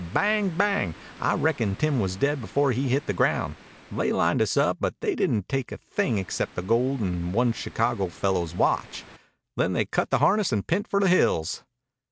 Bang bang! I reckon Tim was dead before he hit the ground. They lined us up, but they didn't take a thing except the gold and one Chicago fellow's watch. Then they cut the harness and p'int for the hills."